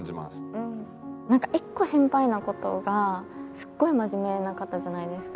なんか１個心配な事がすごい真面目な方じゃないですか。